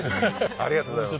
ありがとうございます。